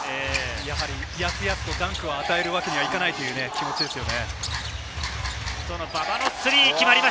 やすやすとダンクを与えるわけにはいかないという気持ちですよね。